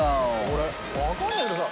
これわかんないけどさ。